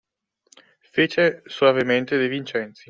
Fece soavemente De Vincenzi.